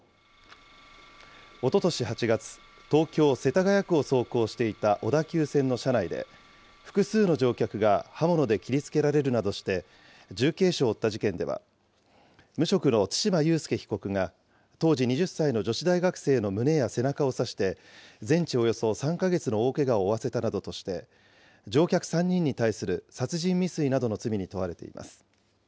おととし８月、東京・世田谷区を走行していた小田急線の車内で、複数の乗客が刃物で切りつけられるなどして重軽傷を負った事件では、無職の對馬悠介被告が、当時２０歳の女子大学生の胸や背中を刺して、全治およそ３か月の大けがを負わせたなどとして、乗客３人に対する殺人未遂などの罪に問われています。